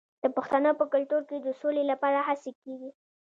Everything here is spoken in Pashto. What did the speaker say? د پښتنو په کلتور کې د سولې لپاره هڅې کیږي.